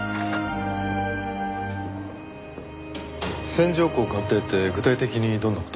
線条痕鑑定って具体的にどんな事を？